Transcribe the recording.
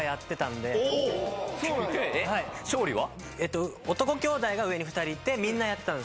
勝利は？